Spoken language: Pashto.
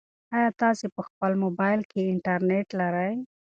ایا تاسي په خپل موبایل کې انټرنيټ لرئ؟